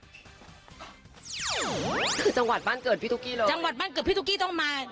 คือจังหวัดบ้านเกิดพี่ตุ๊กกี้เหรอจังหวัดบ้านเกิดพี่ตุ๊กกี้ต้องมา